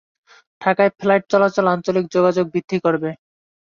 ঢাকায় ফ্লাইট চলাচল আঞ্চলিক যোগাযোগ বৃদ্ধি করবে।